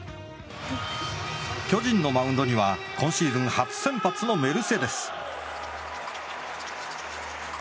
巨人のマウンドには今シーズン初先発のメルセデス。